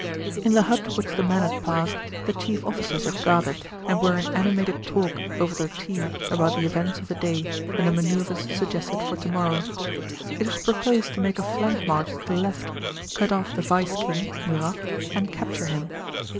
In the hut which the men had passed, the chief officers had gathered and were in animated talk over their tea about the events of the day and the maneuvers suggested for tomorrow. It was proposed to make a flank march to the left, cut off the Vice King (Murat) and capture him.